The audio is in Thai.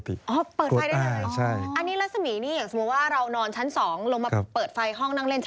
อันนี้ลักษณีย์นี่อย่างสมมุติว่าเรานอนชั้น๒ลงมาเปิดไฟห้องนั่งเล่น